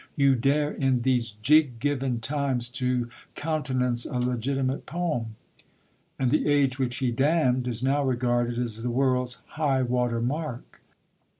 you dare, in these jig given times, to countenance a legitimate poem." And the age which he damned is now regarded as the world's high water mark!